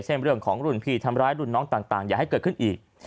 เรื่องของรุ่นพี่ทำร้ายรุ่นน้องต่างอย่าให้เกิดขึ้นอีก